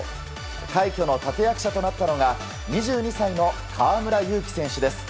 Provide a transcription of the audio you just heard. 快挙の立役者となったのが２２歳の河村勇輝選手です。